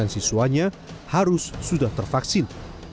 lima puluh siswanya harus sudah tervaksin